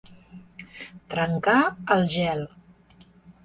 Trencar el gel